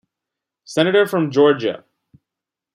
Senator from Georgia.